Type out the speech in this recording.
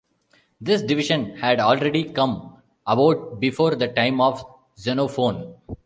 This division had already come about before the time of Xenophon.